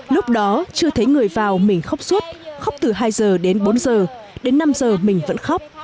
lúc đó chưa thấy người vào mình khóc suốt khóc từ hai giờ đến bốn giờ đến năm giờ mình vẫn khóc